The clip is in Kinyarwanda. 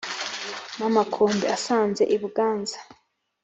n' amakombe asanze i buganza